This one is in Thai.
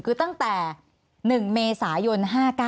คือตั้งแต่๑เมษายน๕๙